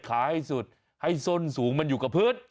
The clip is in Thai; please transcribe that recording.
ให้สุดให้ส้นสูงมันอยู่กับพื้น